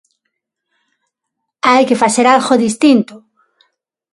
Hai que facer algo distinto.